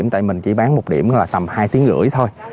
tại mình chỉ bán một điểm là tầm hai tiếng rưỡi thôi